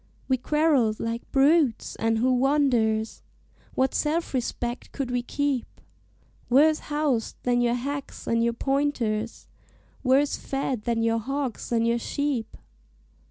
"We quarrelled like brutes, and who wonders? What self respect could we keep, Worse housed than your hacks and your pointers, Worse fed than your hogs and your sheep?